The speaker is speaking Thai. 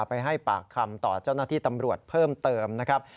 ไปให้ปากคำต่อเจ้าหน้าที่ตำรวจเพิ่มเติมนะครับ